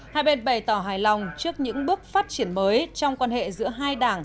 hai bên bày tỏ hài lòng trước những bước phát triển mới trong quan hệ giữa hai đảng